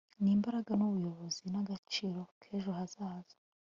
ni imbaraga, n'ubuyobozi, n'agaciro k'ejo hazaza